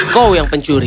kau yang pencuri